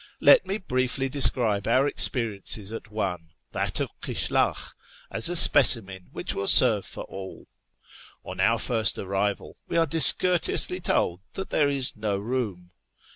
Let me briefly describe our experiences at one — that of Kishlakh — as a specimen which will serve for all. On our first arrival we are dis courteously told that there is no room.